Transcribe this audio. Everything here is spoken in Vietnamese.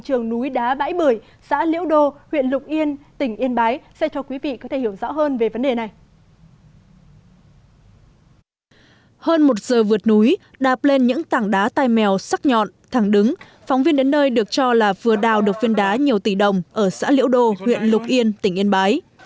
hơn một giờ vượt núi đạp lên những tảng đá tai mèo sắc nhọn thẳng đứng phóng viên đến nơi được cho là vừa đào được viên đá nhiều tỷ đồng ở xã liễu đô huyện lục yên tỉnh yên bái